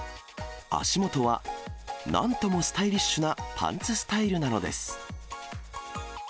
足元はなんともスタイリッシュなパンツスタイルなのです。